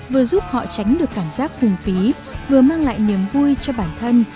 vừa giúp họ tránh được cảm giác phùng phí vừa mang lại niềm vui cho bản thân